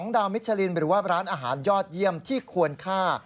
ดาวมิชลินหรือว่าร้านอาหารยอดเยี่ยมที่ควรฆ่า